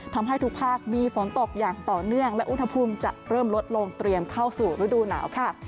ทำให้ทุกภาคมีฝนตกอย่างต่อเนื่องและอุณหภูมิจะเริ่มลดลงเตรียมเข้าสู่ฤดูหนาวค่ะ